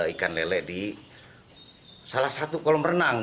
ikan lele di salah satu kolam renang